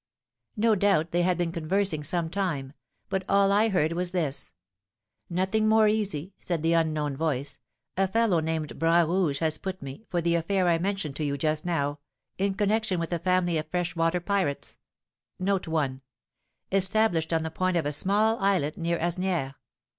"No doubt they had been conversing some time; but all I heard was this: 'Nothing more easy,' said the unknown voice; 'a fellow named Bras Rouge has put me, for the affair I mentioned to you just now, in connection with a family of "fresh water pirates," established on the point of a small islet near Asnières.